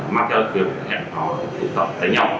mang theo việc hẹn họ tụ tập đánh nhau